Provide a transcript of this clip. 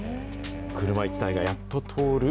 車１台がやっと通る